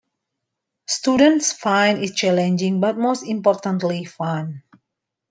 Students find it challenging but most importantly fun.